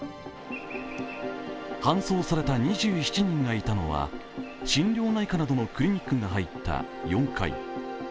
搬送された２７人がいたのは心療内科などのクリニックが入った４階。